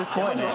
はい。